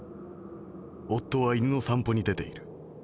夫は犬の散歩に出ている。